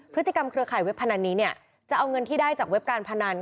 เครือข่ายเว็บพนันนี้เนี่ยจะเอาเงินที่ได้จากเว็บการพนัน